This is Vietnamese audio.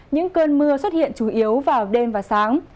những cơn mưa xuất hiện chủ yếu vào đêm và sáng